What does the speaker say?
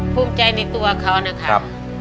ภูมิใจในตัวเขานะครับ